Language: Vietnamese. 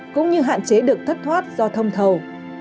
cũng như hạn chế được thất thoát do thông thầu